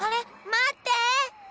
まって！